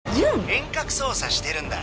遠隔操作してるんだ。